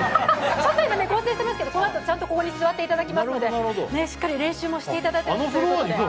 ちょっと今、合成していますので、このあとここにちゃんと座っていただきますので、しっかり練習もしていただいたということで。